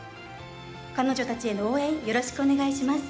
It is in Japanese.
彼女たちへの応援よろしくお願いします。